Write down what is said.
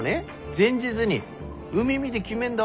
前日に海見で決めんだ。